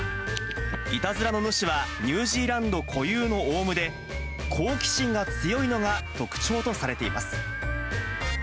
いたずらの主はニュージーランド固有のオウムで、好奇心が強いのが特徴とされています。